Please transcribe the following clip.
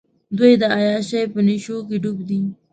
دوۍ د عیاشۍ په نېشوکې ډوب دي.